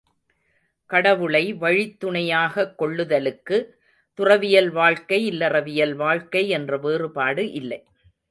கடவுளை வழித்துணையாகக் கொள்ளுதலுக்கு, துறவியல் வாழ்க்கை இல்லறவியல் வாழ்க்கை என்ற வேறுபாடு இல்லை.